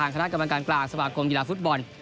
ขณะกรรมการกลางสมัครกรมยีลาฟุตบอล